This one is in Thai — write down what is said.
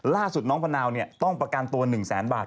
ล่าสุดนางปะนาวต้องประกันตัว๑๐๐๐๐๐บาท